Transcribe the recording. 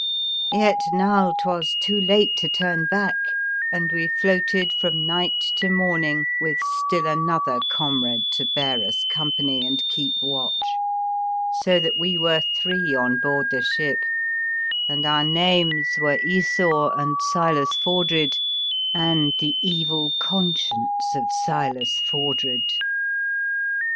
Yet now 'twas too late to turn back, and we floated from night to morning with still another comrade to bear us company and keep watch, so that we were three on board the ship, and our names were, Esau and Silas Fordred, and the Evil Conscience of Silas For dred.